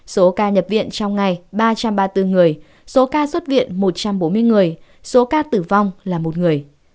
số ca nhập viện trong ngày ba trăm ba mươi bốn người số ca xuất viện một trăm bốn mươi người số ca tử vong là một người